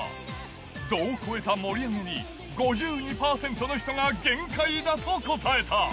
度を越えた盛り上げに５２％の人が限界だと答えた。